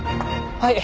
はい。